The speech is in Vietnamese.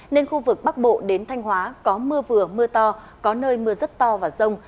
nên khu vực bắc bộ đến thanh hóa có mưa vừa mưa to có nơi mưa rất to và rông